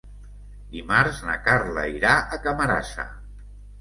Dimarts na Carla irà a Camarasa.